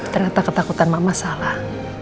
ternyata ketakutan mama salah